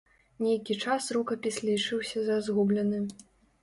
Нейкі час рукапіс лічыўся за згублены.